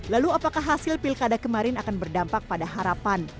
lalu apakah hasil pilkada kemarin akan berdampak pada harapan